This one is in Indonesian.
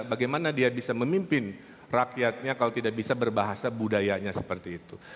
bagaimana dia bisa memimpin rakyatnya kalau tidak bisa berbahasa budayanya seperti itu